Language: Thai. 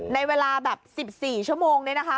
ในเวลาแบบสิบสี่ชั่วโมงด้วยนะคะ